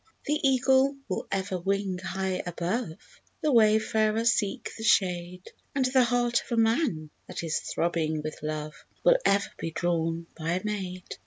The eagle will ever wing high above, The wayfarer seek the shade; And the heart of a man that is throbbing with love Will ever be drawn by a maid.